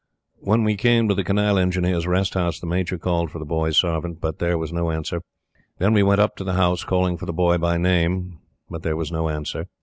When we came to the Canal Engineer's Rest House the Major called for The Boy's servant; but there was no answer. Then we went up to the house, calling for The Boy by name; but there was no answer.